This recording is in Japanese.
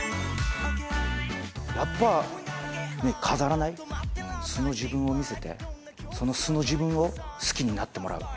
やっぱ飾らない素の自分を見せてその素の自分を好きになってもらう。